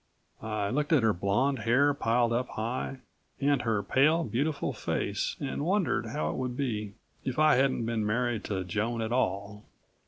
I looked at her blonde hair piled up high, and her pale beautiful face and wondered how it would be if I hadn't been married to Joan at all.